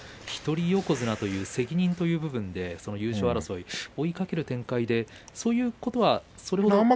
一人横綱という責任の部分で優勝争い、追いかける展開でそういうことはそれほど。